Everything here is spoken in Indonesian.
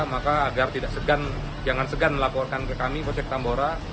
maka agar tidak segan jangan segan melaporkan ke kami posek tambora